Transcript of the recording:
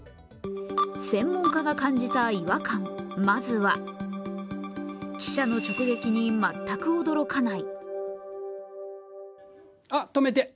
専門家が感じた違和感、まずは、記者の直撃に全く驚かない。